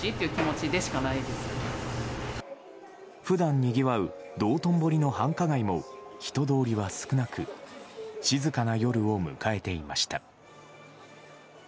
普段にぎわう道頓堀の繁華街も人通りは少なく静かな夜を迎えていました。